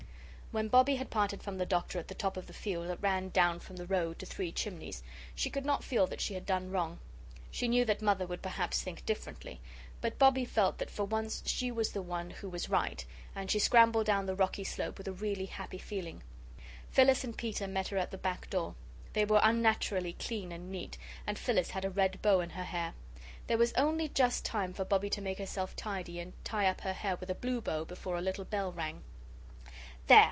When Bobbie had parted from the Doctor at the top of the field that ran down from the road to Three Chimneys, she could not feel that she had done wrong. She knew that Mother would perhaps think differently. But Bobbie felt that for once she was the one who was right, and she scrambled down the rocky slope with a really happy feeling. Phyllis and Peter met her at the back door. They were unnaturally clean and neat, and Phyllis had a red bow in her hair. There was only just time for Bobbie to make herself tidy and tie up her hair with a blue bow before a little bell rang. "There!"